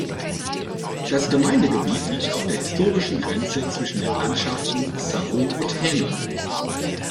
Das Gemeindegebiet liegt auf der historischen Grenze zwischen den Landschaften Savo und Häme.